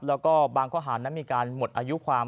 แล้วก็บางข้อหานั้นมีการหมดอายุความ